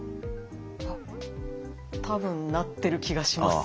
あっ多分なってる気がします。